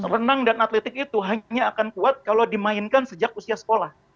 renang dan atletik itu hanya akan kuat kalau dimainkan sejak usia sekolah